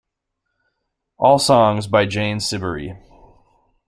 All songs by Jane Siberry.